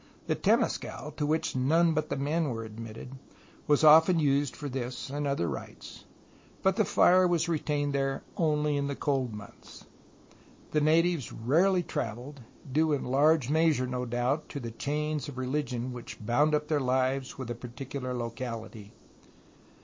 The temescal, to which none but the men were admitted, was often used for this and other rites, but the fire was retained there only in the cold months. The natives rarely traveled, due in large measure, no doubt, to the chains of religion which bound up their lives with a particu lar locality.